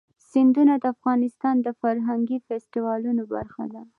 سیندونه د افغانستان د فرهنګي فستیوالونو برخه ده.